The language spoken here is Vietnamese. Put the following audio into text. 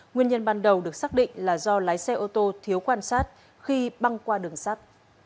nguyên nhân ban đầu được xác định là do lái xe ô tô thiếu quan sát khi băng qua đường sắt